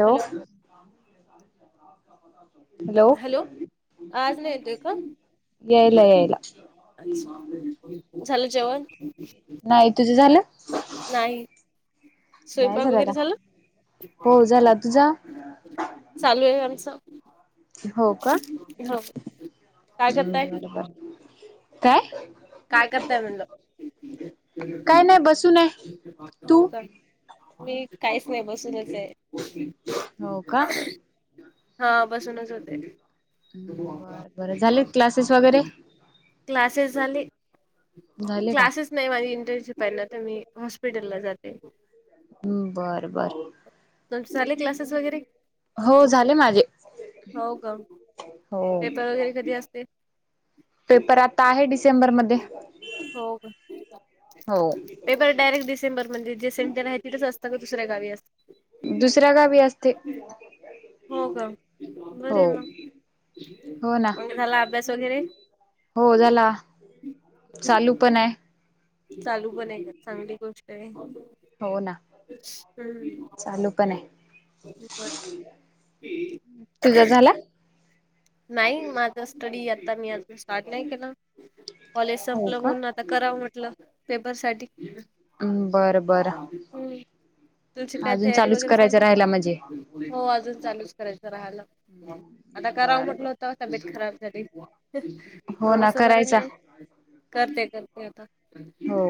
Hello! Hello! आवाज नाही येत का? यायला यायला [inaudible] झालं जेवण? नाही. तुझं झालं? नाही नाही स्वयंपाक झालं वगैरे का झाला? हो झाला तुझा [inaudible] चालू आहे आचं हो का ह काय करताय बर बर काय काय करताय म्हणल काय नाही बसून आहे हो तू का मी काहीच नाही बसूनच आहे हो का हा बसूनच होते बर, बर झालेत क्लासेस वगैरे क्लासेस झाले झाले का क्लासेस नाही माझी इंटर्नशिप पहीला तर मी हॉस्पिटलला जाते हम् बरं, बरं [unintelligible] क्लासेस वगैरे हो झाले माझे हो का हो पेपर वगैरे कधी असते पेपर आता आहे डिसेंबर मध्ये हो का हो पेपर डायरेक्ट डिसेंबर मध्ये जे सेंटर आहे तिथच असतं दुसऱ्या गावी असत दुसऱ्या गावी असते हो का बर हो म हो ना मग झाला अभ्यास वगैरे हो झाला चालू पण आहे चालू पण आहे का चांगली गोष्ट आहे हो ना अ चालू पण आहे बर तुझा झाला [unintelligible] नाही माझा स्टडी आता मी अजून स्टार्ट नाही केला कॉलेज हो संपलं का म्हणून आत आता कराव म्हटलं पेपर साठी हम् बरं, बर तुमची काय तयारी वगैरे करायचा राहिला म्हणजे चालूय हो अजून चालूच करायचं राहायला आता कराव बरं म्हट बर तवा तब्बेत खराब झाली हो ना थोडस बर करायचा नाही करते, करते आता हो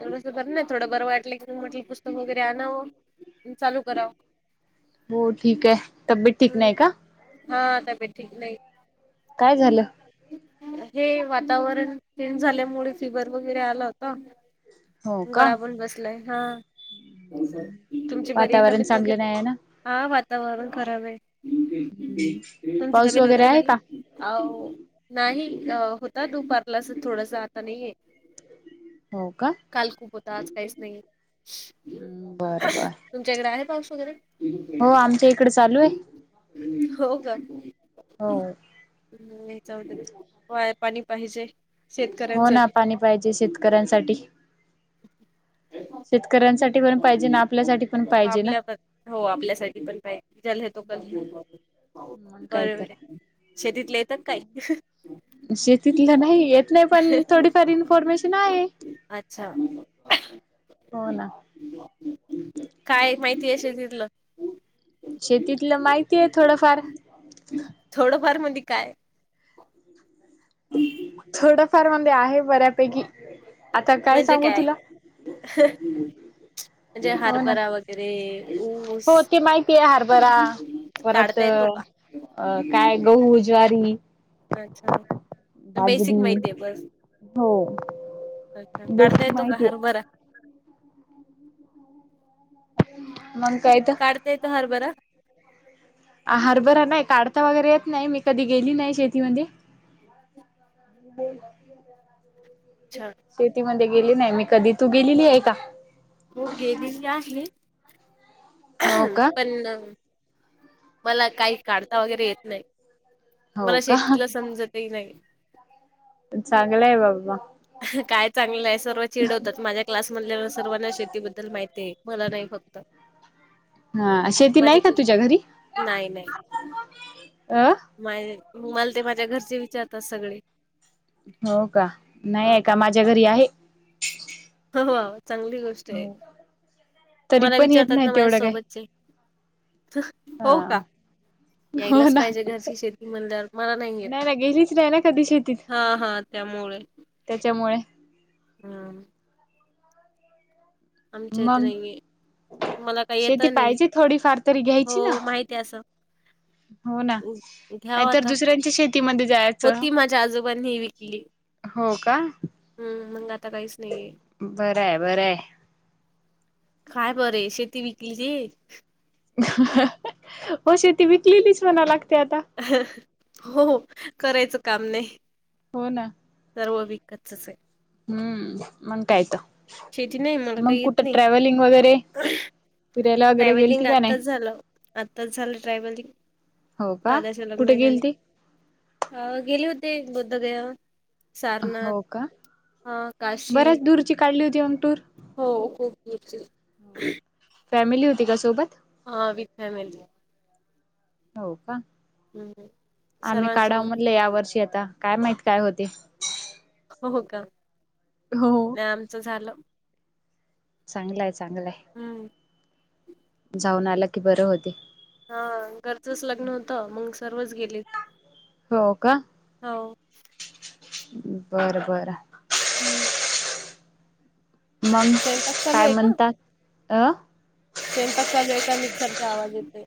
थोडसं बरं नाही थोडं बरं वाटलं म्हटलं पुस्तक वगैरे आणावं न चालू करावं हो ठीक आहे तब्येत ठीक नाही का हा तब्बेत ठीक नाही काय झालं हे वातावरण चेंज झाल्यामुळे फिवर वगैरे आला होता हो का गळा पण बसलाय हा तुमची बरी आहे वातावरण तब्येत चांगलं नाही आहे ना वगैरे हा वातावरण खराब आहे तुमची तब्बेत वगैरे बरी आहे हाव नाही होता दुपारलाच थोडस आता नाही आहे हो का काल खूप होता आज काहीच नाहीये बर बर तुमच्या इकडे आहे पाऊस वगैरे तिकडे चालू आहे हो का हो [unintelligible] होय पाणी पाहिजे हो ना शेतकऱ्यांसाठी. पाणी पाहिजे शेतकऱ्यांसाठी, शेतकऱ्यांसाठी साठी पण पाहिजे ना आपल्यासाठी पण पाहिजे ना आपल्या पण हो आपल्यासाठी पण पाहिजे [unintelligible] मग काय बरोबर तर आहे शेतीतल येत का काही? शेतीतल नाही. येत नाही पण थोडीफार इन्फॉर्मेशन आहे. अच्छा. [inaudible] हो ना. काय माहितीये शेतीतलं? शेतीतलं माहितीये थोडंफार. थोडंफार मध्ये काय? थोडफार मध्येे आहे बऱ्यापैकी. आता काय सांगू तुला? म्हणजे हो ना. हरभरा वगैरे ऊस हो ते माहितीये. हरबरा परत काढता येतो का? अ काय गहू, ज्वारी. अच्छा, बेसिक बाजरी माहितीय बस. हो अच्छा, काढता बेसिक येतो का माहिती आहे हारभरा? मग काय त. काढता येतो हरभरा? आ हरभरा नाही काढता वगैरे येत नाही. मी कधी गेली नाही शेतीमध्ये. ह [unintelligible] च्छा. शेतीमध्ये गेले नाही मी कधी. तू गेलेलीय का? हो गेलेली आहे [unintelligible] हो का पण मला काही काढता वगैरे येत नाही. हो मला का शेतीतल समजतही नाही. चांगलंय बाबा. काय चांगलंय. सर्व चिडवतात. माझ्या क्लासमधल्या सर्वांना शेतीबद्दल माहितीये. मला नाही फक्त. हा शेती माझे नाही का तुझ्या घरी? नाही अ. नाही. मला ते माझ्या घरचे विचारतात सगळे. हो का? ह नाहीये का? माझ्या घरी आहे. हो चांगली गोष्टय. तरी मला पण येत विचारतात नाही ना माझ्या तेवढं काही सोबतचे. हा हो का? हो यायलाच ना पाहिजे घरची शेती म्हणल्यावर. मला नाही येत. ना गेलीच नाही ना कधी शेतीत हा हा. त्यामुळे. त्याच्यामुळे. हम्म. आमच्या इथ मग नाही बाई. शेती पाहिजे थोडी फार तरी. हो घ्यायची ना. माहिती आहे असं हो ना. नाही घ्याव तर आता दुसऱ्यांची शेती ती मंधी जायाच. होती. माझ्या आजोबांनी विकली. हो का हम्म मंग आता काहीच नाहीये. बरं आहे बरं आहे काय बरे शेती विकली ते. हो शेती विकलेलीच म्हणाव लागते आता. हो करायचं काम नाही. हो ना. सर्व विकतचचे. हम्म मग काय तर शेती नाही मला मग काही येत कुठं नाही. ट्रॅव्हलिंग वगैरे फिरायला वगैरे ट्रॅव्हलिंग गेलती का नाही आत्ताच झाल आत्ताच झाल ट्रॅव्हलिंग. हो का दादाच्या कुठे लग्नाच्या गेलती आधी गेले होते बौद्ध दे सारनाथ हो का हां काशी. बऱ्याच दूरची काढली होती मग टूर. हो खूप वर्ष झाले. फॅमिली होती का सोबत? हा विथ फॅमिली. हो का हं, आम्ही काढव सर्वांसोबतच म्हणले या गेले होते. वर्षी आता काय माहित काय होतय. हो हो का हो नाही आमच झाल. चांगलय चांगलय. हम्म जाऊन आल की बर होते. हा घरचच लग्न होत मग सर्वच गेले. हो का हो. बर बर हम् मग स्वयंपाक चालू काय आहे का म्हणतात अ स्वयंपाक चालू आहे का मिक्सरचा आवाज येतोय.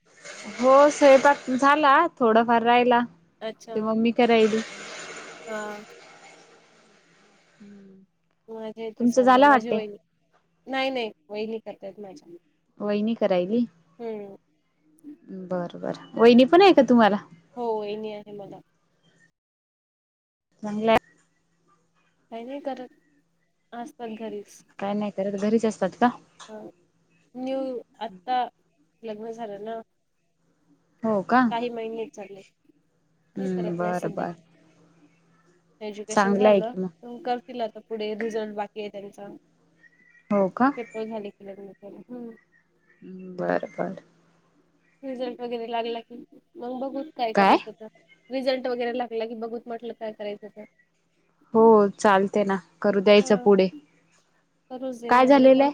हो स्वयंपाक झाला थोडाफार राहिला अच्छा ते मम्मी करायली. हा हम्म माझ्या तिथे चालू आहे माझी वहिनी नाही नाही वहिनी करतायत माझ्या. वहिनी करायली हम्म बर बर वहिणी पण आहे का तुम्हाला? हो वहिनी आहे मला. चांगलय काही नाही करत असतात घरीच. काय नाही करत घरीच असतात का? ह न्यू आत्ता लग्न झाल ना. हो का. [unintelligible] महिने चालले काय हम्म करत नाही बरं सध्या. बर एज्युकेशन चांगलं आहे झाल की मग. त करतील आता पुढे रिझल्ट बाकी आहे त्यांचा. हो का. पेपर झाली की लग्न केलं हम्म. बरं बरं. रिझल्ट वगैरे लागला की मग बघू काय करायचं ते. रिझल्ट वगैरे लागला की बघू म्हटलं काय करायचं तर हो चालते ना करू द्यायचं हा पुढे काय झालेल आहे.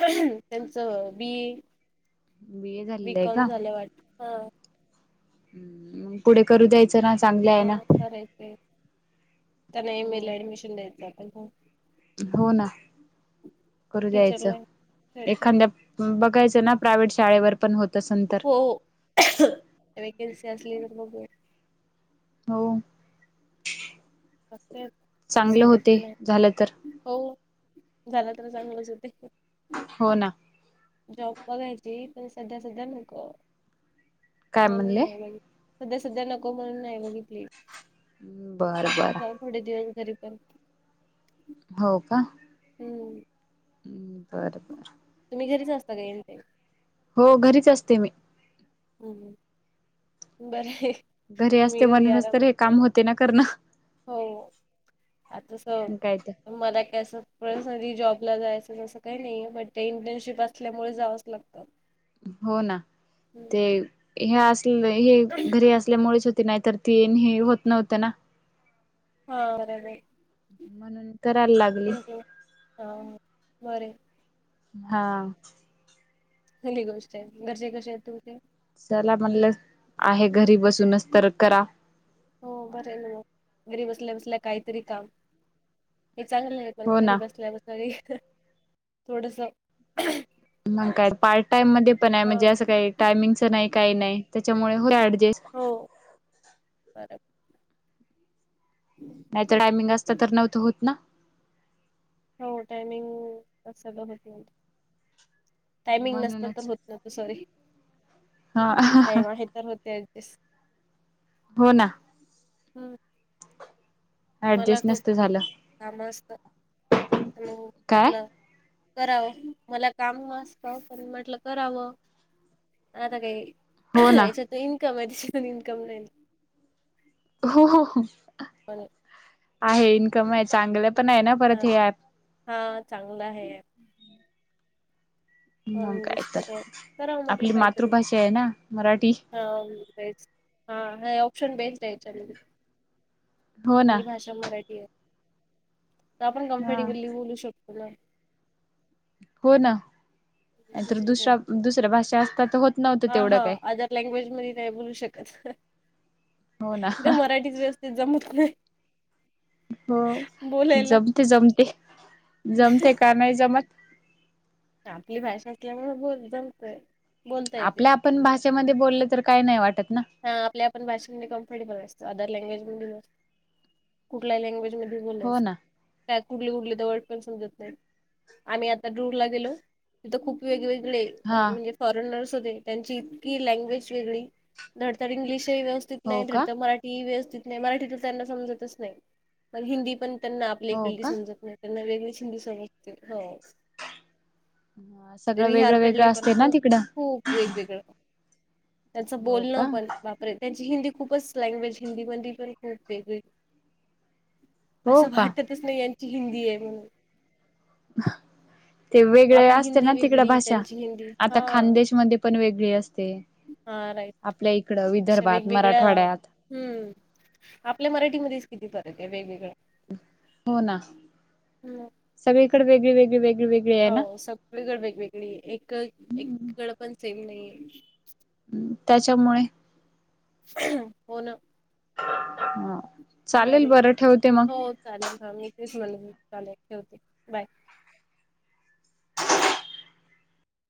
त्यांच बी ए बी ए झालेलं आहे बीकॉम का? झाल्या वाट हा पुढे करू द्यायचं ना चांगले आहे ना. हा करायचंय त्यांना एम ए ला ऍडमिशन द्यायचं आपण हो हो ना करू द्यायच टीचरला भेटते एखाद्यां. बघायच ना प्रायव्हेट शाळेवर पण होत असल तं. हो वेकन्सी असली तर बघूया. हो. पत्ते चांगले सध्या तर होते झालं तर नाही हो. झाल तर चांगलच होते. हो ना. जॉब बघायची पण सध्या सध्या नको. काय म्हणून म्हणले? नाही बघित सध्या सध्या नको म्हणून नाही बघितली. बरं बरं. असावं थोडे दिवस घरी पण‌ हो का. हम्म. हम्म बर बर. तुम्ही घरीच असता का रेनी टाईम. हो घरीच असते मी. ह बर हे घरी असते म्हणूनच तर हे काम होते ना करण. हो आतास काय तर मला काय असं ध जॉबला जायच तस काही नाहीे ते इंटर्नशिप असल्यामुळे जावच लागत. हो ना ते हे असले हे घरी असल्यामुळेच होते नाहीत तर तेन हे होत नव्हत ना. हा बरोबर म्हणून करायला लागली. हां बरय हां चांगली गोष्ट आहे. घरचे कशे आहेत तुमचे? चला म्हणल आहे घरी बसूनच तर करा. हो बरय ना मग घरी बसल्या बसल्या काहीतरी काम हे चांगलय. हो घरी ना बसल्या बसल्या ही थोडस. मग काय पार्ट टाइम मध्ये पण आहे म्हणजे अस काही टायमिंगच नाही काही नाही तेच्यामुळ होतय ऍडजेस्ट. हो बरंय. [inaudible] नाहीतर टायमिंग असत तर नव्हत होत ना. हो टायमिंग असत होत नाही टायमिंग नसत तर म्हणूनच होत [unintelligible] सॉरी हा टाईम आहे तर होते अदीच हो ना. हम्म मला ऍडजस्ट नसत खूप झालं काम असतात काय म्हटल कराव मला काम आसत पण म्हटल कराव. आता काही हो ना याच्यात इन्कम आहे त्याचावर इन्कम नाही. हो हो हो [unintelligible] आहे इन्कम आहे चांगल पण आहे ना परत हे ॲप. हां चांगलं आहे ॲप. मग पण काय दुसरं तर करावं म्हटलं आपली काहीतरी मातृभाषा आहे ना मराठी हा तेच हा हे ऑप्शन बेस्ट आहे यांच्यामध्ये. हो ना आपली भाषा मराठी हाय, तर आपण हा कम्फर्टेबली बोलू शकतो ना. हो ना नाही तर, दुसरं काय दुसऱ दुसऱ्या भाषा असतात तर होत नव्हतं हा हा तेवढं काय अदर लँग्वेज मध्ये नाही बोलू शकत, हो ना मराठीच व्यवस्थ ते जमत नाही. हो बोलायला जमते, जमते, जमते, का नाही जमत? आपली भाषा असल्यामूळ बोल जमतय. बोलता येते आपल्या आपण भाषेमध्ये बोलल, तर काय नाही वाटत ना. हा आपल्या आपण भाषेमध्ये कम्फर्टेबल असतो, अदर लँग्वेज मधे नसतो. कुठल्या लँग्वेज म ते हो बोलायच. ना काय कुठली कुठली तर वर्ड पण समजत नाही. आम्ही आता टूरला गेलो तिथं खूप वेगवेगळे हा म्हणजे फॉरेनर्स होते. त्यांची इतकी लँग्वेज वेगळी धडतर इंग्लिश ही व्यवस्थित हो नाही, का धडतर मराठी ती ही व्यवस्थित नाही. मराठी तर त्यांना समजतच नाही, पणं हिंदी पण त्यांना आपली हो इकली का समजत नाही. त्यांना वेगळीच हिंदी समजते हो. म आज ते बीहार कडले पण, खूप खूप वेगवेगळं त्यांचं हो का बोलणं पण, बाप रे! त्यांची हिंदी खूपच लँग्वेज हिंदी मधे पण खूप वेगळी. हो आसं का वाटतच नाही ये, यांची हिंदी आहे म्हणून. ते वेगळे आपली असते हिंदी ना तिकड वेगळी भाषा, त्यांची हिंदी हा आता खानदेश मध्ये. पण वेगळी असते, हा राईट आपल्या इकड विदर्भात, मराठवाड्यात हुं. आपल्या मराठीमध्येच किती फरक आहे वेगवेगळं. हो ना, सगळीकड वेगळी, वेगळी, वेगी, वेगी हाव सगळीकडे वेगवेगळी, एक एकीकड पण सेम नाही ये. ह् त्याच्यामुळे हो न. आं. नाही रे, हो. चालेल, हा मी तेच म्हणत होते, चालेल ठेवते बाय.